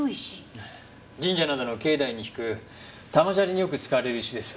神社などの境内にひく玉砂利によく使われる石です。